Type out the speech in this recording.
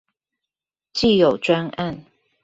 既有專案